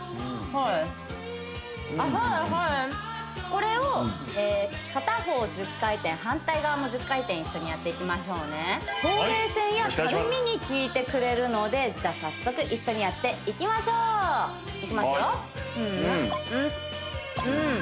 これを片方１０回転反対側も１０回転一緒にやっていきましょうねほうれい線やたるみにきいてくれるので早速一緒にやっていきましょういきますよ